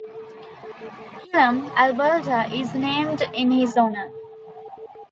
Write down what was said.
Killam, Alberta is named in his honour.